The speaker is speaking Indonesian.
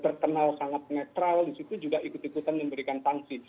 berkenal sangat netral di situ juga ikut ikutan memberikan sanksi